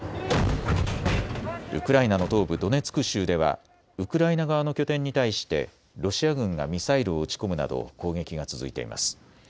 ウクライナの東部ドネツク州ではウクライナ側の拠点に対してロシア軍がミサイルを撃ち込むなど攻撃が続いています。